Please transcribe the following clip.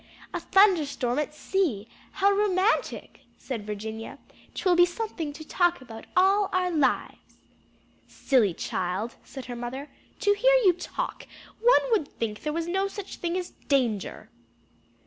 "A thunder storm at sea; how romantic!" said Virginia; "'twill be something to talk about all our lives." "Silly child!" said her mother, "to hear you talk, one would think there was no such thing as danger."